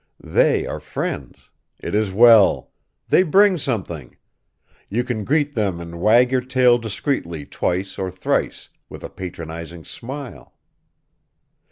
They are friends; it is well; they bring something: you can greet them and wag your tail discreetly twice or thrice, with a patronizing smile....